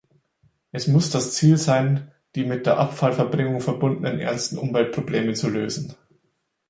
Es muss das Ziel sein, die mit der Abfallverbringung verbundenen ernsten Umweltprobleme zu lösen.